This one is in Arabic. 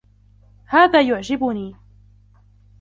هذا يعجبني.